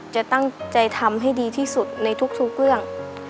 จะตั้งใจทำให้ดีที่สุดในทุกเรื่อง